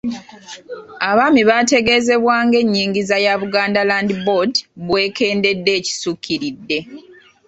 Abaami baategeezebbwa nga ennyingiza ya Buganda Land Board bw'ekendedde ekisukkiridde.